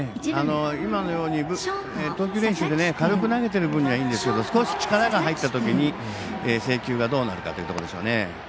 今のように投球練習で軽く投げてる分にはいいんですが少し力が入ったときに制球がどうなるかというところでしょうね。